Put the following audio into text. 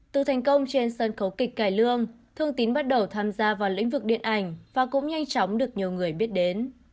từ thành công trên sân khấu kịch lương thương tín bắt đầu tham gia vào lĩnh vực điện ảnh và cũng nhanh chóng được nhiều người biết đến